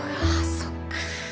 そっか。